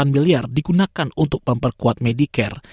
dua delapan miliar digunakan untuk memperkuat medicare